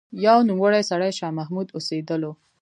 يو نوموړی سړی شاه محمد اوسېدلو